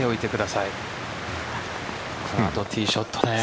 サードティーショットね。